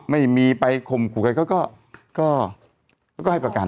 ไม่มีไปคมขุไกลเขาก็เขาก็ให้ประกัน